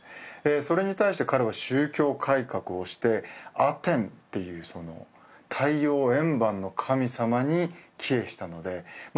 それに対して彼は宗教改革をしてアテンっていう太陽円盤の神様に帰依したのでまあ